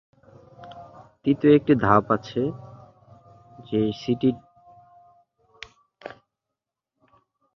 তৃতীয় একটি ধারণা আছে যে সিটি ডিওনিসিয়ায় চূড়ান্ত বিজয় অর্জনের পরে তিনি সুখের কারণে মারা গিয়েছিলেন।